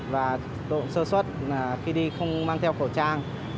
và độ sơ suất khi đi không mang theo khẩu trang